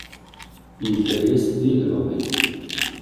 Yedda-yas di lebɣi.